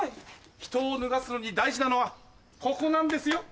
人を脱がすのに大事なのはここなんですよ。